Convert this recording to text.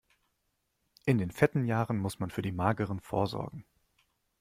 In den fetten Jahren muss man für die mageren vorsorgen.